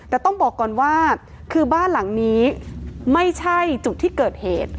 แต่ต้องบอกก่อนว่าคือบ้านหลังนี้ไม่ใช่จุดที่เกิดเหตุ